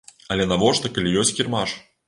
Але навошта, калі ёсць кірмаш?